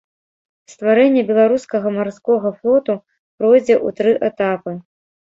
Стварэнне беларускага марскога флоту пройдзе ў тры этапы.